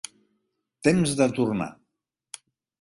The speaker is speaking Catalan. Temps de tornar